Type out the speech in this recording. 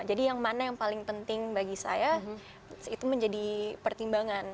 jadi yang mana yang paling penting bagi saya itu menjadi pertimbangan